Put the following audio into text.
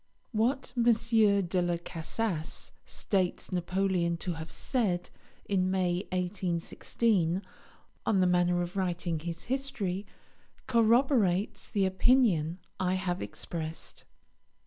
What M. de Las Casas states Napoleon to have said in May 1816 on the manner of writing his history corroborates the opinion I have expressed.